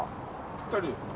ぴったりですね。